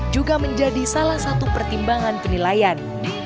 juga menjadi salah satu pertimbangan penilaian